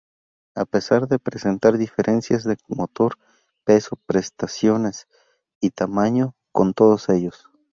A pesar de presentar diferencias de motor, peso, prestaciones y tamaño con todos ellos.